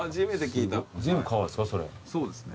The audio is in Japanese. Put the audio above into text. そうですね。